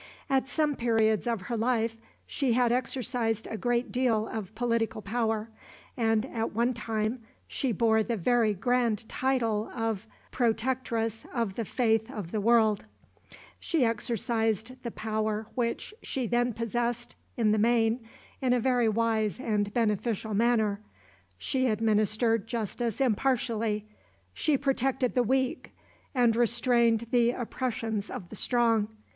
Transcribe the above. At some periods of her life she had exercised a great deal of political power, and at one time she bore the very grand title of Protectress of the faith of the world. She exercised the power which she then possessed, in the main, in a very wise and beneficial manner. She administered justice impartially. She protected the weak, and restrained the oppressions of the strong.